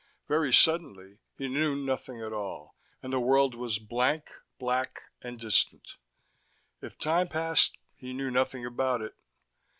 Very suddenly, he knew nothing at all, and the world was blank, black, and distant. If time passed he knew nothing about it.